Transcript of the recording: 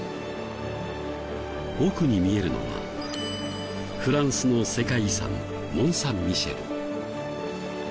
奥に見えるのはフランスの世界遺産モン・サン・ミシェル。